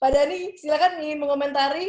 pak dhani silahkan ingin mengomentari